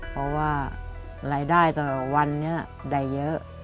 เพราะว่ารายได้ตั้งแต่วันเนี่ยได่เยอะ